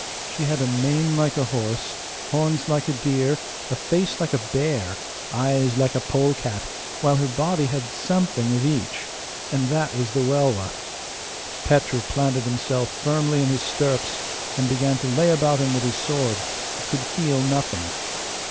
She had a mane like a horse, horns like a deer, a face like a bear, eyes like a polecat; while her body had something of each. And that was the Welwa. Petru planted himself firmly in his stirrups, and began to lay about him with his sword, but could feel nothing.